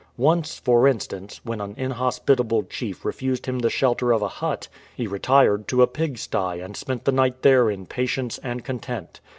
Once, for instance, when an inhos pitable chief refused him the shelter of a hut, he retired to a pig stye and spent the night there in patience and content.